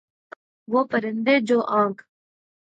وہ پرندے جو آنکھ